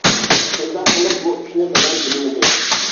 شۇنداق قىلىپ بۇ ئىشنى دادام بىلمىدى.